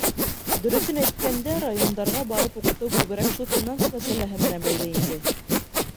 — Дөрөҫөн әйткәндә, райондарға барып уҡытыу күберәк шул финанс мәсьәләһе менән бәйле инде.